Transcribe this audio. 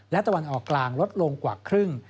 และตะวันออกกลางลดลงกว่าครึ่ง